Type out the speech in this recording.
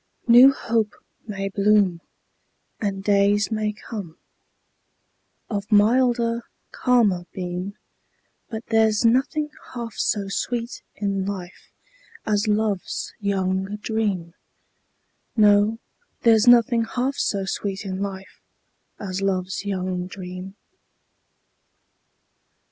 New hope may bloom, And days may come, Of milder, calmer beam, But there's nothing half so sweet in life As love's young dream; No, there's nothing half so sweet in life As love's young dream.